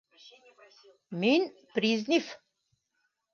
Мин - Призниф!